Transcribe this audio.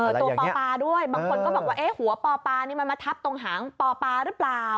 ตัวปอปาด้วยบางคนก็บอกว่าหัวปอปานี่มันมาทับตรงหางปอปาหรือเปล่า